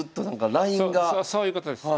そういうことです。